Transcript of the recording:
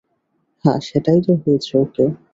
হ্যাঁ সেটাই তো হয়েছে, ওকে!